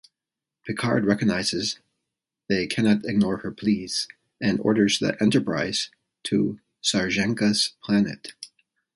Picard recognizes they cannot ignore her pleas, and orders the "Enterprise" to Sarjenka's planet.